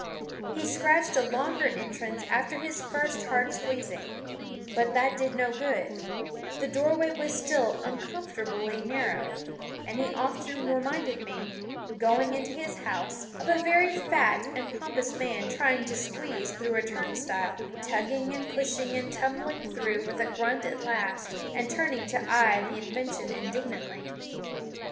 He scratched a longer entrance after his first hard squeezing, but that did no good; the doorway was still uncomfortably narrow, and he often reminded me, going into his house, of a very fat and pompous man trying to squeeze through a turnstile, tugging and pushing and tumbling through with a grunt at last, and turning to eye the invention indignantly.